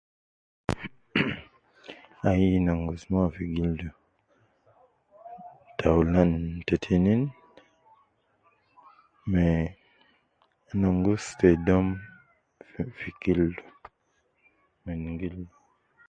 Mhh,ai nongus moyo fi gildu, taulan, te tinin, me nongus te dom fi gildu, min gildu